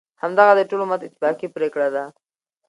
همدغه د ټول امت اتفاقی پریکړه ده،